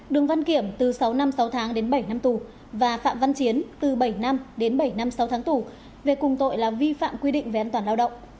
đường văn kiểm từ sáu năm sáu tháng đến bảy năm tù và phạm văn chiến từ bảy năm đến bảy năm sáu tháng tù về cùng tội là vi phạm quy định về an toàn lao động